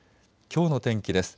きょうの天気です。